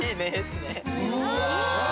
うわ！